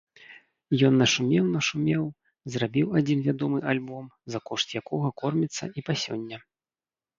Ён нашумеў-нашумеў, зрабіў адзін вядомы альбом, за кошт якога корміцца і па сёння.